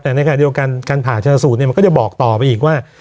แต่การผ่าชนสูตรมันก็จะบอกต่อไปอีกว่า